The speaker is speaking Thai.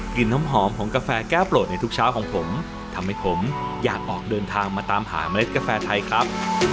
น้ำหอมของกาแฟแก้วโปรดในทุกเช้าของผมทำให้ผมอยากออกเดินทางมาตามหาเมล็ดกาแฟไทยครับ